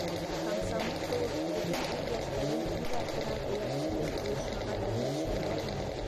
Комсомол кеүек бөтөн ил йәштәрен үҙ артынан эйәртерлек ойошмаға берләшһендәр ине.